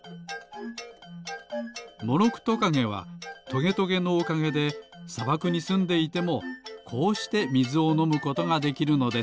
モロクトカゲはトゲトゲのおかげでさばくにすんでいてもこうしてみずをのむことができるのです。